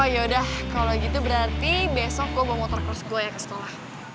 oh yaudah kalo gitu berarti besok gue bawa motor cross gue ya ke sekolah